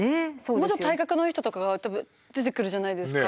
もうちょっと体格のいい人とかが多分出てくるじゃないですか。